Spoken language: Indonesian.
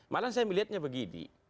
malahan saya melihatnya begini